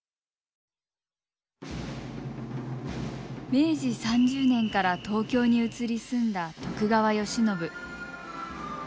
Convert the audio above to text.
明治３０年から東京に移り住んだ徳川慶喜。